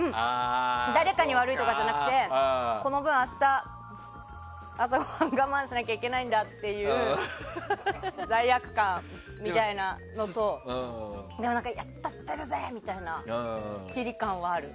誰かに悪いとかじゃなくてこの分、明日朝ごはん我慢しなきゃいけないんだっていう罪悪感みたいなのとやったったるぜ！っていうすっきり感はある。